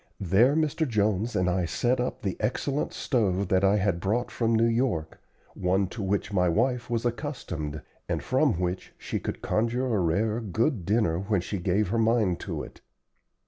There Mr. Jones and I set up the excellent stove that I had brought from New York one to which my wife was accustomed, and from which she could conjure a rare good dinner when she gave her mind to it.